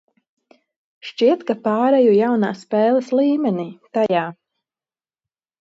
Šķiet, ka pāreju jaunā spēles līmenī, tajā.